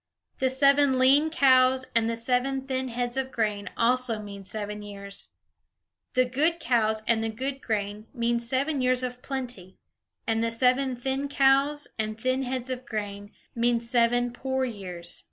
The seven lean cows and the seven thin heads of grain also mean seven years. The good cows and the good grain mean seven years of plenty, and the seven thin cows and thin heads of grain mean seven poor years.